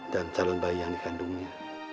dan calon bayi yang dikandungnya